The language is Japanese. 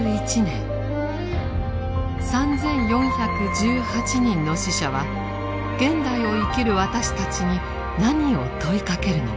３４１８人の死者は現代を生きる私たちに何を問いかけるのか。